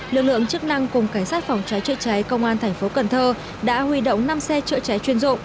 lực lượng chức năng cùng cảnh sát phòng cháy chữa cháy công an thành phố cần thơ đã huy động năm xe chữa cháy chuyên dụng